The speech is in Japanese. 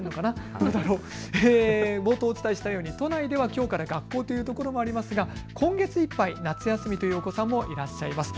冒頭お伝えしたように都内ではきょうから学校というところもありますが今月いっぱい夏休みというお子さんもいらっしゃいます。